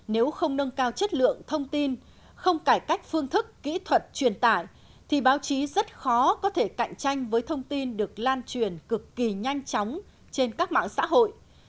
nếu không nâng cao chất lượng thông tin không cải cách phương thức kỹ thuật truyền tải thì báo chí rất khó có thể cạnh tranh với thông tin được lan truyền cực kỳ nhanh chóng trên các mạng xã hội